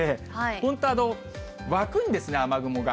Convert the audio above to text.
本当、湧くんですね、雨雲が。